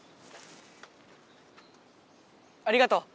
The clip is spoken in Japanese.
ありがとう。